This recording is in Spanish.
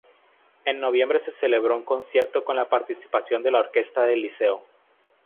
En noviembre se celebró un concierto con la participación de la orquesta del Liceo.